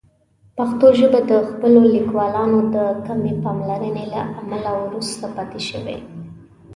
پښتو ژبه د خپلو لیکوالانو د کمې پاملرنې له امله وروسته پاتې شوې.